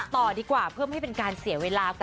ต่อดีกว่าเพื่อไม่เป็นการเสียเวลากัน